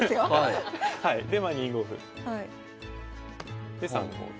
でまあ２五歩。で３五歩。